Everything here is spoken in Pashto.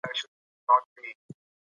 اوښکې احساساتو ته غږ ورکوي.